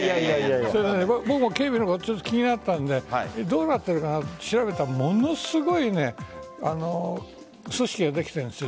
僕も警備のこと気になったのでどうなっているかなと調べたらものすごい組織ができているんです。